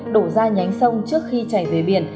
đổ ra nhánh sông trước khi chảy về biển